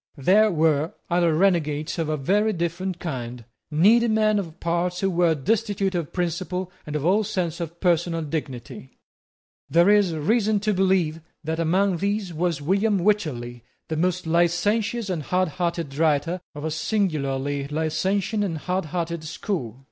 There were other renegades of a very different kind, needy men of parts who were destitute of principle and of all sense of personal dignity. There is reason to believe that among these was William Wycherley, the most licentious and hardhearted writer of a singularly licentious and hardhearted school.